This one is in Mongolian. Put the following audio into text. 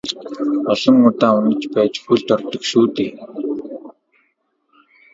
Олон удаа унаж байж хөлд ордог шүү дээ.